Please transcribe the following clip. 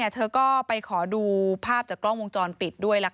เธอก็ไปขอดูภาพจากกล้องวงจรปิดด้วย